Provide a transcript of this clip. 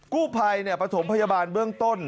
กุภัยเนี่ยประถมพยาบาลเบื้องต้น